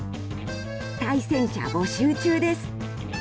対戦者募集中です。